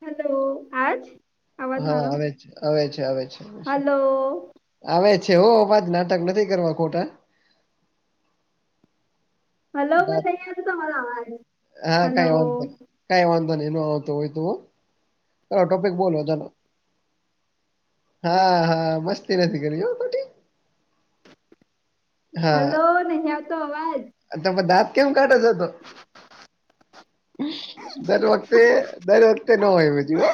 Hello આજ અવાજ હા મારો આવે છે, આવે છે, આવે છે, આવે છે. હલો આવે છે હો બાજ નાટક નથી કરવા ખોટા હલો મ વાત- ન હતો તમારો આવાજ, હલો? કાંઈ વાંધો નહી એ ન આવતો હોય. તો ટોપિક બોલો તનો હા-હા મસ્તી નથી કરી હો ખોટી હલો નહીં આવતો અવાજ. અ દાંત કેમ કાઢો છો તો? દર વખતે દર વખતે ન હોય બજું હ.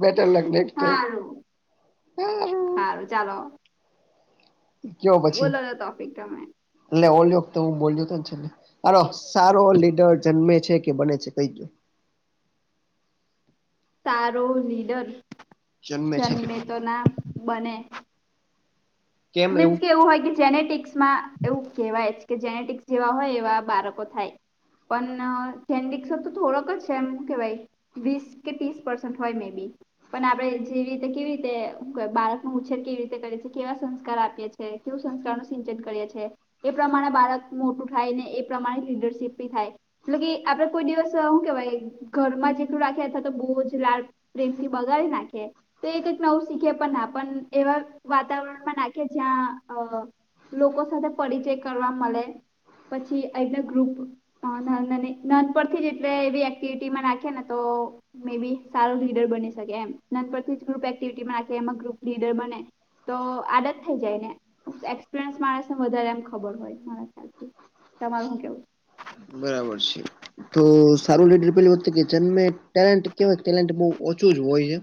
Better luck next time. હારું ચાલો. જો પછી બોલો તો ટોપિક તમે એટલે ઓલ્યોત હું બોલજ્યો તો ને છે, ને સારો સારો લીડર જન્મે છે, કે બને છે, કઈ દો? સારો લીડર છે કે જન્મે બને તો ના બને. મીન્સ કે એવું હોય જેનેટિક્સ માં એવું કહેવાય કે જેનેટિક્સ જેવા હોય એવા બાળકો થાય. પણ ઓન્ડીકસ તો થોડોક જ છે, એમ કેવાઈ વીસ કે ત્રીસ પરસેન્ટ હોય મેબી. પણ આપડે જેવી રીતે કેવી રીતે બાળક ન ઉછેર કેવી રીતે કરે છે, કેવા સં કાર આપીએ છીએ કેવું સંસ્કાર નું સિંચન કરીએ છીએ. એ પ્રમાણે બાળક મોટું થાય ને એ પ્રમાણે લીડરશીપી થાય. મતલબ કે આપડે કોઈ દિવસ શું કેવાય ઘર માં જેટલું રાખ્યાથા તો બહુ જ લાળ પ્રેમથી બગાડી નાખે તો એક જ આવું શીખે પણ ના પણ એવા વાતાવરણમાં નાખે કે જ્યાં અ લોકો સાથે પરિચય કરવા મળે પછી અહીંના ગ્રુપ હ ન નન પરથી એટલે એવી એક્ટિવિટીમાં નાખે ને તો મે બી સારો લીડર બની શકે એમ નાન પરથી ગ્રુપ એક્ટિવિટીમાં એ ગ્રુપ લીડર બને. તો આડત થ જાય ને એક્સપિરયસ મા વધારે એમ ખબર હોય મારાયાથી, તમાર શું કેવું? બરાબર છે, તો સારું લીડર પે વખતે કે જન્ટેલે કે ઓછું જ હોય છે.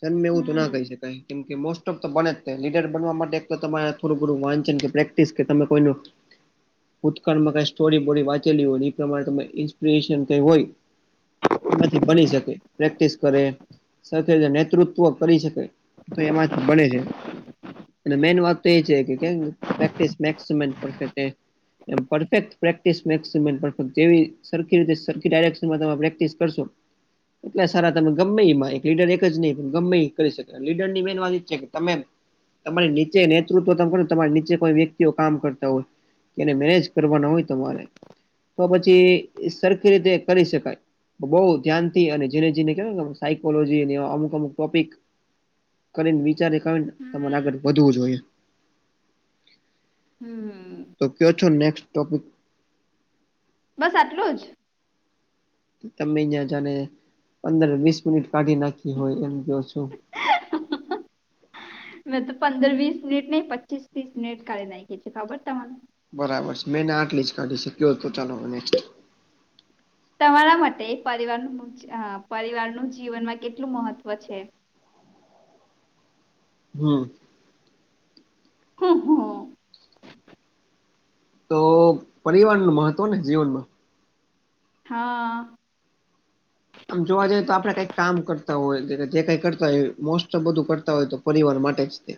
જન્મે એવું તો ના કહી હમ શકાય કેમકે મો તો બને જ લીડર બનવા માટે તમારે થોડું વાંચન કે પ્રેક્ટિસ કે તમે કોઈ ભૂતકાળમાં કઈ સ્ટોરી બોરી વાંચેલી હોય એ પ્રમાણે તમે ઇન્સ્પિરેશન કઈ હોય એમાંથી બની શકે પ્રેક્ટિસ કરે સાથે નેતૃત્વ કરી શકે, તો એમાંથી બને છે. મેન વાત તો એ છે કેેક એ પરફેક્ટ પ્રેક્ટિસ જેવી સરખી રીતે સરી ડાયરેનમાં તમે પ્રેક્ટિસ કરશો એટલા સારા તમે ગમે એ લીડર એક જ નહીં પણ ગમે એ કરી શકે લીડર ની મેન વાત ઈ છે કે તમે તમારી નીચે નેતૃત્વ તમે કરને તમારી નીચે કોઈ વ્યક્તિઓ કામ કરતા હોય કેને મેનેજ કરવાના હોય તમારે તો પછી સરખી રીતે કરી શકાય બહુ ધ્યાનથી અને જેને જેને કેવાય સાયકોલોજી ને અમુક અમુ ટોપિક કરીને વિચારે કરીને તમારે આગળ વધવું જોઈએ હમ તો કયો છો નેક્સ્ટ ટોપિક બસ આટલું જ તમે અહં જાને પંદર વીસ મિનિટ કાઢી નાખી હોય એમ કો છું મેં તો પંદર વીસ મિનિટ નહ પચીસ ત્રીસ મિનિટ કાલી નાખી છે ખબર તમાને બરાબર છે મેંને આટલી જ કાઢી છે કયો તો ચાલો મને તમારા માટે પરિવારનું પરિવારનું જીવનમાં કેટલું મહત્ત્વ છે હમ હા હા તો પરવારણ નું મહત્વ ને જીવનમાં હા આમ જોવા જઈએ તો આપડે કઈક કામ કરતા હોય જે કઈ કરતા હોય મોસ્ટત બધું કરતા હોય તો પરિવાર માટે જ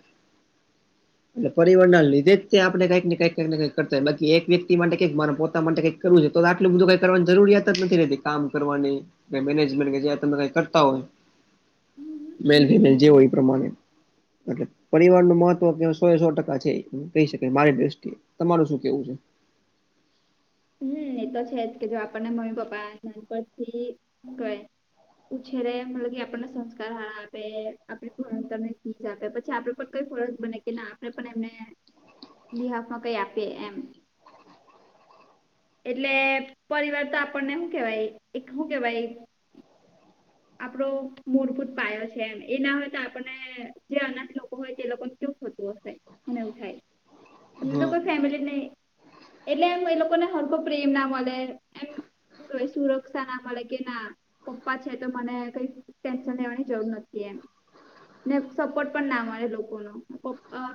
[inaudible] એ પરિવર નાને લીધે આપણે કઈકને કઈ કઈક કઈ કરય બાકી એક વ્યક્તિ માટે કઈકરાને પોતા માટે કઈક કરવું છે તો આટલું બધું કઈ કરવાની જરૂરિયાત જ નથી રતી કામ કરવાની મેનેજમેન્ટ કે તમે કઈ કરતા હોય મેલ ફિમેલ જે હો હમ એ પ્રમાણે એટ પરિવાર નું મહત્વ સો એ સો ટકા છે એ કહી શકાય મારી દ્રષ્ટિએ તમાર શું કેવું છે હમ એ તો છે જ કે જો આપણને મમ્મી પપ્પા નાન પરથી કહે ઉછેરેે મતલબ કે આપણને સંસ્કાર હાર આપે આપે ભણ તરને આપે પછી આપડ પણ કઈ ફરજ બને કે આપણે પણ એમને બિહાફમાં કઈ આપીએ એમ એટલે પરિવાર તો આપણને હું કેવાય એક શું કેવાય આપડો મૂળભૂત પાયો છે એમ એ ના હોય તો આપણને જે અનાથ લોકો હોય તે લોકો એટલું થતું હશે અનેને એવું થાય એમને તો હા કોઈ ફેમિલી નહી એટલે એમ એ લોકો ને હળખ પ્રેમ ના મળે એમ શું સુરક્ષા નામા કે ના પપ્પા તો મને કઈ ટેન્શન લેવાની જરૂર નથી એમ. ને સપોર્ટ પણ ના મળે એલોકો નો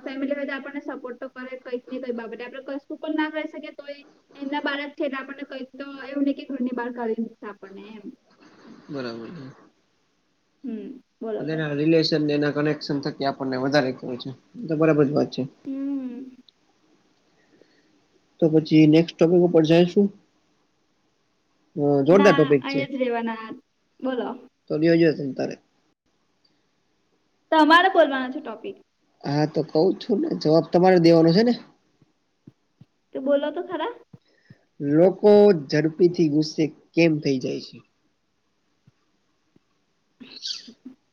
ફેમિલી હોયતો આપણને સપોર્ટ તો કંઈક ને કઈ બાબતે આપડે કશુ પણ ના કરી શકીયે તોય એમના બાળક છે એટલે આપણને કઈ તો એવુ નહી કે ઘરની બહાર કાઢી મૂકશે આપણને એમ. બરાબર છે. હમ બોલો અને તો એના રિલેશન અને એના કનેક્શન થકી આપણને વધારે ખબર છે તો બરાબર જ વાત છે. હમ તો પછી નેક્સ્ટ ટોપિક ઉપર જઈશુ? ના ટોપિક અહી જ રેવાના બોલો. ચલી હ જ્યો ચિંતારે [unintelligible] તમારે બોલવાનો છે ટોપિક. હા તો કહુ જ છુ ને જવાબ તમારે દેવાનો છે ને. બોલો તો ખરા. લોકો ઝડપીથી ગુસ્સે કેમ થઇ જાય છે?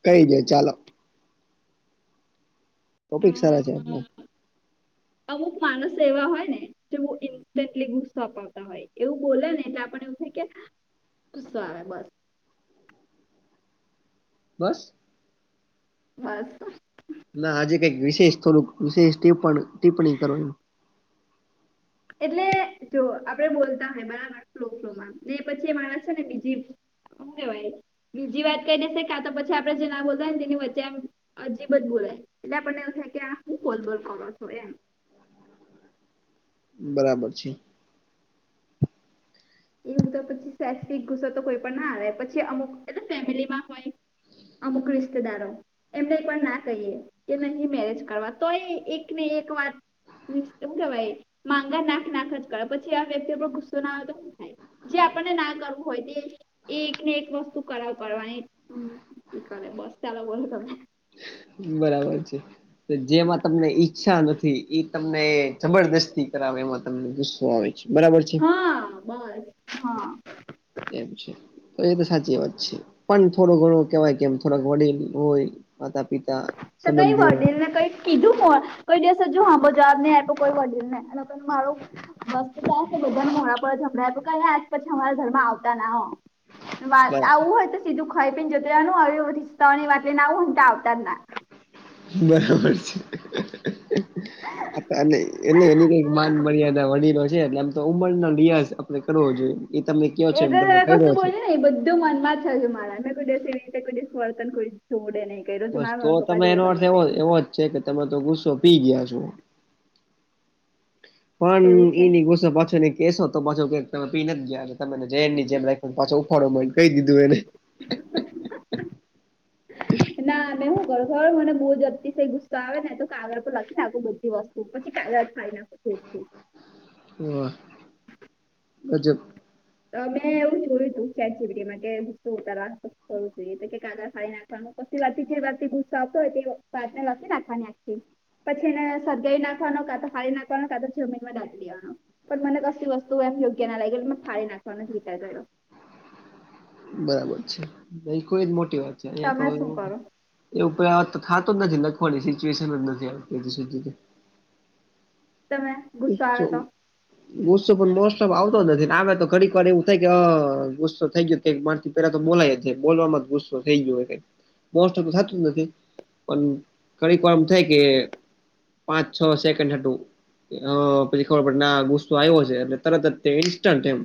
કઈ નહિ ચાલો. ટોપિક સારા છે હમ આપણા. અમુક માણસો એવા હોય ને તેઓ ઇન્સ્ટન્ટલી ગુસ્સો અપાવતા હોય એવુ બોલે ને એટલે આપણ એવુ થાય કે ગુસ્સો આવે બસ. બસ બસ ના આજે કઈક વિશેષ થોડુંક વિશેષ ટિપ્પણી કરો ને. એટલે જો આપડે બોલતા હોય બરાબર ફ્લો ફ્લો મા ને પછી મારા છે ને બીજી શુ કહેવાય બીજી વાત કહીદેશે કા તો પછી આપડે જે ના બોલતા હોય ને તેની વચ્ચે આમ અજીબ જ બોલે એટલે આપણને એવુ થાય કે આ સુ બોલબોલ કરો છો એમ. બરાબર છે. એવુ તો પછી સેસ્ટિક ગુસ્સો તો કોઈ પણ ના આવે પછી અમુક એટલે ફેમિલીમા હોય અમુક રિશ્તેદારો એમને એક વાર ના કહીએ કે નથી મેરેજ કરવા તોય એક ને એક વાત શુ કેવાય માંગા નાખ નાખ જ કરે પછી આ વ્યક્તિઓ પર ગુસ્સો ના આવતો સુ જે આપણને ના કરવુ હોય તે એક ને એક વસ્તુ કરાવ કરવાની કરે બસ ચાલો બોલો તમે. બરાબર છે [unintelligible] તો જેમા તમને ઈચ્છા નથી એ તમને જબરદસ્તી કરાવે એમા તમને ગુસ્સો આવે છે. બરાબર છે? હા બસ હા. એમ છે તો એ તો સાચી વાત છે પણ થોડુ ઘણુ કેવાય કે થોડક વડીલ હોય માતા પિતા સંબંધીઓ કીધુ કોઈ દિવસ હજુ સમો જવાબ નથી આપ્યો વડીલ ને નહી તો મારો મસ્ત બધા ને મોઢા પર જ સંભળાવ્યુ કે આજ પછી અમારા ઘર મા આવતા નહી હો. બરા આવવુ હોય તો સીધુ ખાઈ પી ને જતુ રહેવાનુ આવુ રિસ્તાઓની વાત લઈને આવવુ હોય ને તો આવતાજ નહી. બરાબર છે. એ એટલે એની કઈક માન મર્યાદા વળીલો છે એટલે આમ તો ઉમર નો લિયાઝ કરવો જોઈએ એ તમે કહો છે એમ તમે કર્યો છે. બધુ મનમાં જ થયુ હોય મારા મે કોઈ દીવસે એવી રીતે કોઈ દિવસ વર્તન કોઈ જોડે નહી. બસ તો તમે એનો અર્થ એવો જ છે કે તમે તો ગુસ્સો પી ગયા છો. પણ એવું એની છે ગુસ્સા પાછળની કેસો તો પાછો કહે કે તમે પી નથી ગયા તમે એને જૈનની જેમ રાખ્યો અને પાછો ઉફાળો મારી કહી દીધુ એને [inaudible] તે [inaudible] ના ને હું કરુ ખબર મને બહુ જ અતિશય ગુસ્સો આવે ને તો કાગળ પર લખી નાખું બધી વસ્તુ પછી કાગળ થાય ના હ બજ તો મેં એવું જોયું તું સેચટીમાં કેતારું જોઈએ કાદર ખાડી નાખવાનું પછી વાથી જે વાતથી ગુસ્સો આવતો હોય તે વાતને લખી નાખવાની આખી. પછી એને સળગાઈ નાખવાનો કા તો ફાળી નાખવાનો કા તો જમીન માં દાટી દેવાનો પણ મને કશુ વસ્તુ એમ યોગ્ય ના લાયગી મને ફાળી નાખવાનો જ વિચાર કર્યો બરાબર છે ન કોઈ જ મોટી વાત છે અહિયાં તો તમે શું એવું કરો એ ઉપર આ વાત નું તો થાતો જ નથી લખવાની સિચ્યુએશન જ નથી આવતી તમે ગુસ્સો આવે તો નિ ગુસ્સો પણ મોસ્ટ ઓફ આવતો નથી આવે તો ઘડીક વાર એવું થાય કે હ ગુસ્સો થઈ ગયો માર પેલા તો બોલાય જ જાય બોલવામાં જ ગુસ્સો થઈ ગયો કાઈ મોસ ટોપ થાતું જ નથી પણ ઘડીક વાર એમ થાય કે પાંચ છ સેકન્ડ હતું હ પછી ખબર પડે ના ગુસ્સો આવ્યો છે એટલે તરત જ ઇન્સ્ટન્ટ એમ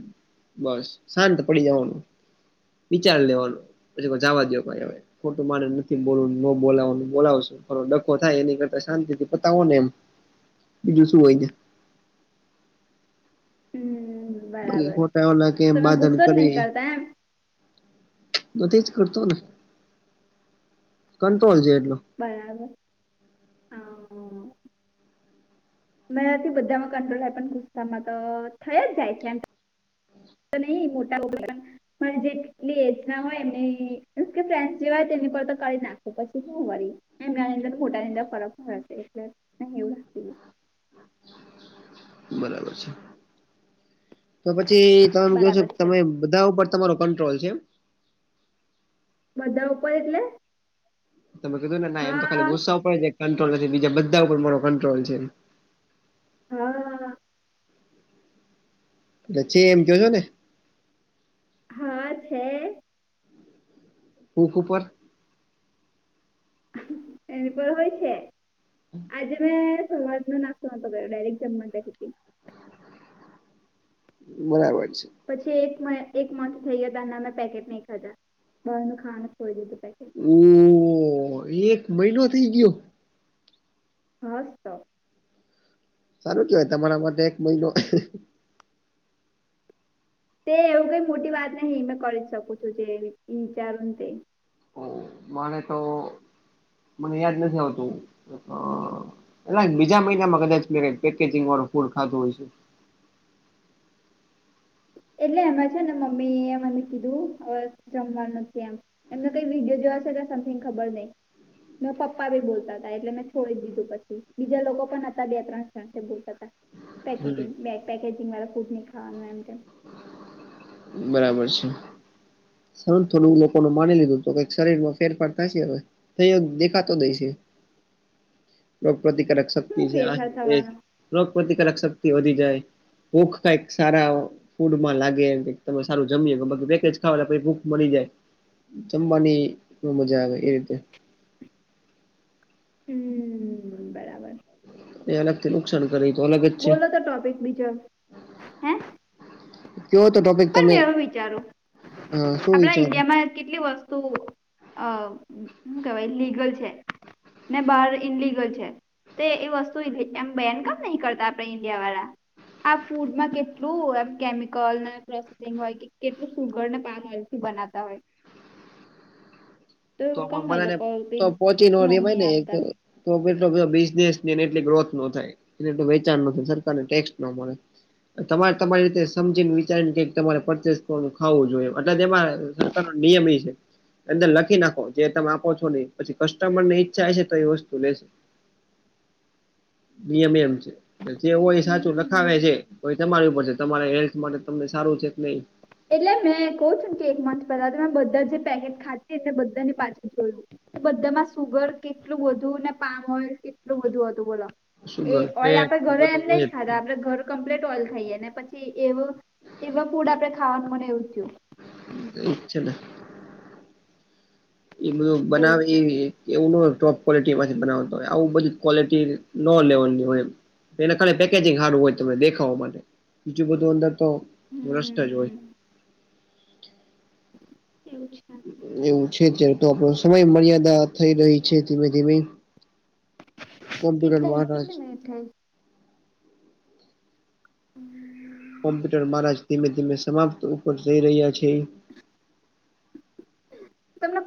બસ શાંત પડી જવાનું વિચાર લેવાનું પછી જવા દો ભાઈ ખોટું મારે નથી બોલવું ન બોલાવવા બોલાવશું ડખો થાય એની કરતા શાંતિથી પતાવો ને એમ બીજું શું હોય છે હમ બાકી બરાબર ખોટા ઓના કેમ તમે બાધન ગુસ્સો જ નહીં બની કરતા એમ નથી જ કરતો ને કંટ્રોલ છે બરાબર અમ, મારાથી બધામાં કંટ્રોલ થાય પણ ગુસ્સામાં તો થઇ જ જાય એમતો. [unintelligible] મારી જેટલી એજ ના હોય એમને કે ફ્રેન્ડસ જેવા જ તેની પર તો કરી નાખું પછી શું વરી એમનાની અંદર મોટાની અંદર ફરક પડેશે એટલે નહી એવું બરાબર છે તો પછી તમે કીઓ છો બરાબર છે તમે બધા ઉપર તમારો કંટ્રોલ છે એમ બધા ઉપર એટલે તમે કીધું ને ના એમ તો હા ગુસ્સા ઉપર એક કંટ્રોલ નથી બીજા બધા ઉપર મોરો કંટ્રોલ છે. હા તો છે એમ કી ઓ છો ને હા છે ભૂખ ઉપર એની પર હોય છે આજે મેં સવાર નો ના હા તો ઘરે ડાયરેક્ટ જમવા બેઠી તી. બરાબર છે. પછી એક એક મંથ થઈ ગયો ત્યારના મેં પેકેટ નહી ખાધા. બહારનું ખાવાનું છોડી દીધુ પેકેટ ઓ એક મહિનો થઇ ગયો હાસ તો સારું કેવાય તમારા માટે એક મહિનો તે એવું કઈ મોટી વાત નહી મેં કરી શકું છું જે વિચારું તે ઓ મારે તો મને યાદ નથી આવતું. હ એટલા બીજા મહિનામાં કદાચ મે પેકેજિંગ વાળું ફૂડ ખાધુ હશે. એટલે એમાં છે ને મમ્મી એ મને કીધું હવે જમવા નથી એમ. એમને કઈ વિડીયો જોવાશે કે સમથિંગ ખબર નહીં. ને પપ્પા ભી બોલતા હતા એટલે મેં છોડી દીધું પછી બીજા લોકો પણ હતા બે ત્રણ જણ જે બોલતા હતા. હમ પેકેટીગ પે પેકેજિંગ વાળા ફૂડ ન ખાવાનું એમ તેમ બરાબર છે. સારુ થોડું એ લોકો માની લીધું હતું કઈક શરીર માં ફેરફાર થશે હવે. થયોગ દેખાતો દઈ છે રોગ પ્રતિકારક શક્તિ શું છે આ ફેરફાર છે તે થવાનો છે રોગ પ્રતિકારક શક્તિ વધી જાય ભૂખ કઈક સારા ફૂડમાં લાગે. તમે સારું જમીએ પેકેજ ખાવા પછી ભૂખ મરી જાય. જમવાની બો મજા આવે એ રીતે. હમ બરાબર. એ અલગ થી નુકસાન કરે તો અલગ જ છે. બોલો તો ટોપિક બીજો હે કેવો તો ટોપિક પણ મેં તમે એવું વિચારું હા શું આપડા વિચારો ઈન્ડિયામાં કેટલી વસ્તુ અ શું કેવાય લીગલ છે ને બહાર ઇનલિગલ છે. તે એ વસ્તુ એમ બેન કેમ નહી કરતા આપણે ઈન્ડિયા વાળા. આ ફૂડમાં કેટલું એમ કેમિકલને પ્રોસટીગ હોય કે કેટલું સુગર ને પામ ઓઇલ થી બનાવતા હોય. તો કમ એ બધા લોકો કઈ તો પોહોંચી ન ધ્યાન રેવાય નહી ને એ રીતે આપતા. તો એટલો બધો બિઝનેસ ની એટલી ગ્રોથ નો થાય. એટલે એટલુ વેચાણ નથી સરકાર ને ટેક્સ ના મળે. તમારે તમારી રીતે સમજીને વિચારીને કે તમારે પરચેસ ખાવું જોઈએ એટલે એમાં સરકાર નો નિયમ એ છે અંદર લખી ના જે તમે આપો છો નહી પછી કસ્ટમર ની ઈચ્છા હ છે તો એ વસ્તુ લેશે નિયમ એમ જે હોય સાચું લખાવે છે તમારી ઉપર છે તમારે હેલ્થ માટે તમને સારું છે, કે નહી એટલે મેં કહ છું ને કે એક મંથ પહેલા તો મે બધા જે પેકેટ ખાધી એ બધાને પાછું જોડુ બધામાં સુગર કેટલું વધુ ને પામ હોય, કેટલું બુ હતું બોલો એ સુગર ઓઇલ ફેટ આપડે એ ઘરે બધું એમ હોય નહી જ તે ખાધા આપડે ઘર કમ્પ્લીટ ઓલ થઈ ને પછી એવું એવા ફૂડ આપડે ખાવાનું મને એવું થયુ. અચ્ છેા ના એ બધું એવું બનાવે છે. એ એવું ન ટોપ ક કો્લિટી માંથી બનાવતા હોય આવું બધી ક્વોલિટી ન લેવાની હોય. એને ખાલી પેકેજિંગ સારું હોય તમને દેખાવા માટે બીજું બધું અંદર તો રષ જ હોય. હમ એવું છે. એવું છે અત્યારે તો આપણો સમય મર્યાદા થઈ રહી છે ધીમે ધીમે કોમ્પ્યુટર કેટલા મહારાજ કેટલી મેનટ કોમ્પ્યુટર મારા ધીમે ધીમે સમાપ્ત ઉપર જઈ રહ્યા છે. તમને